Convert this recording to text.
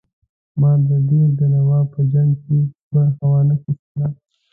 ما د دیر د نواب په جنګ کې برخه وانه خیستله.